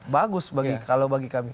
bagus kalau bagi kami